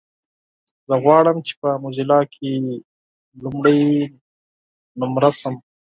زه غواړم چې په موزيلا کې اولنومره شم.